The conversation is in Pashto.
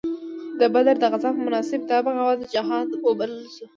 د بدر د غزا په مناسبت دا بغاوت جهاد وبلل شو.